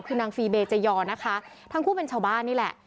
คือนางฟีเบเจยอนะคะทั้งคู่เป็นชาวบ้านนี่แหละ